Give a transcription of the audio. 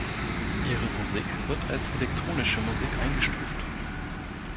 Ihre Musik wird als elektronische Musik eingestuft.